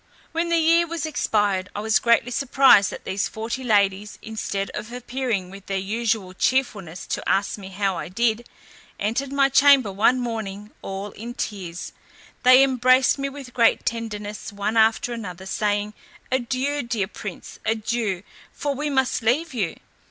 When the year was expired, I was greatly surprised that these forty ladies, instead of appearing with their usual cheerfulness to ask me how I did, entered my chamber one morning all in tears. They embraced me with great tenderness one after another, saying, "Adieu, dear prince, adieu! for we must leave you."